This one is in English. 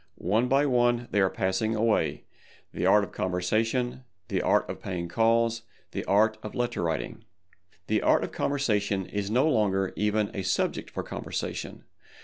One by one they are passing away—the Art of Conversation, the Art of Paying Calls, the Art of Letter Writing. The Art of Conversation is no longer even a subject for conversation.